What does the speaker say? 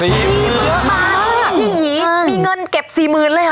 พี่หญิงมีเงินเก็บ๔๐๐๐๐บาทเลยหรือครับ